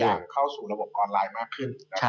เข้าสู่ระบบออนไลน์มากขึ้น